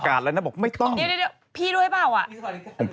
จากธนาคารกรุงเทพฯ